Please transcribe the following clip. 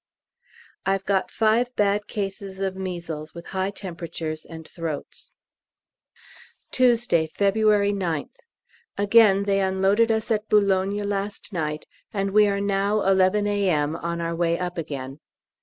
I've got five bad cases of measles, with high temperatures and throats. Tuesday, February 9th. Again they unloaded us at B. last night, and we are now, 11 A.M., on our way up again.